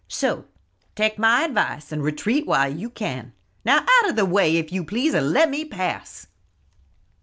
"So take my advice, and retreat while you can. Now out o' the way, if you please, and let me pass."